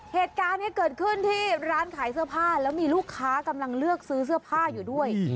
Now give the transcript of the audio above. เหตุการณ์นี้เกิดขึ้นที่ร้านขายเสื้อผ้าแล้วมีลูกค้ากำลังเลือกซื้อเสื้อผ้าอยู่ด้วย